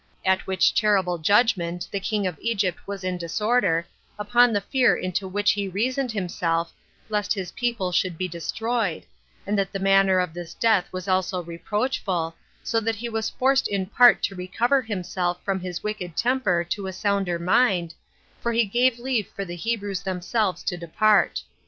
At which terrible judgment the king of Egypt was in disorder, upon the fear into which he reasoned himself, lest his people should be destroyed, and that the manner of this death was also reproachful, so that he was forced in part to recover himself from his wicked temper to a sounder mind, for he gave leave for the Hebrews themselves to depart.